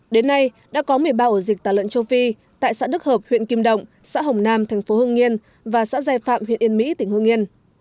đến nay đã có một mươi ba ổ dịch tả lợn châu phi tại xã đức hợp huyện kim động xã hồng nam thành phố hương nghiên và xã giai phạm huyện yên mỹ tỉnh hương yên